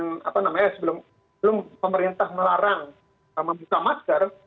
dan sebelum pemerintah melarang membuka masker